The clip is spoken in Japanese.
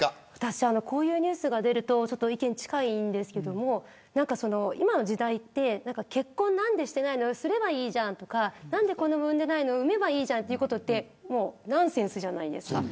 こういうニュースが出ると意見近いんですが今の時代って結婚なんでしてないのすればいいじゃんとかなんで子どもを産んでないのって産めばいいじゃんということってもうナンセンスじゃないですか。